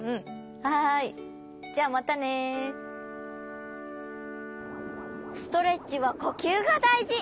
じゃあまたね。ストレッチはこきゅうがだいじ！